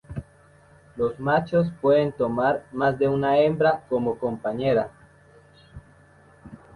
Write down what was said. Los machos pueden tomar a más de una hembra como compañera.